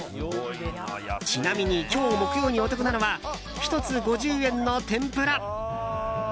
ちなみに今日木曜にお得なのは１つ５０円の天ぷら。